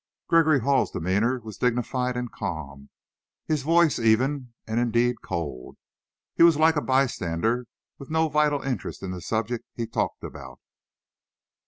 Gregory Hall's demeanor was dignified and calm, his voice even and, indeed, cold. He was like a bystander, with no vital interest in the subject he talked about.